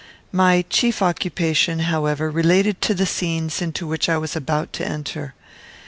My chief occupation, however, related to the scenes into which I was about to enter.